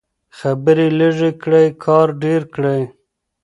خبرې لږې کړئ کار ډېر کړئ.